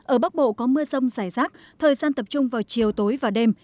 ở bắc bộ có mưa rông rải rác thời gian tập trung vào chiều tối và đêm